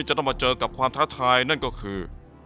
จะต้องมาเจอกับความท้าทายนั่นก็คือ